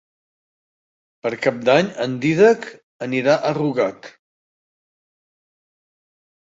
Per Cap d'Any en Dídac anirà a Rugat.